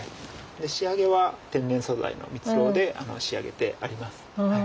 仕上げは天然素材の蜜ろうで仕上げてあります。